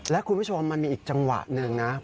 และคุณผู้ชมมันมีอีกจังหวะหนึ่งนะ